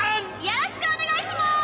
よろしくお願いします！